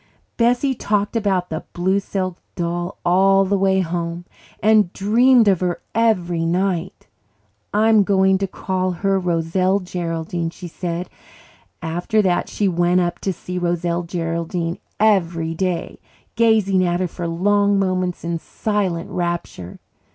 Bessie talked about the blue silk doll all the way home and dreamed of her every night. "I'm going to call her Roselle Geraldine," she said. After that she went up to see Roselle Geraldine every day, gazing at her for long moments in silent rapture.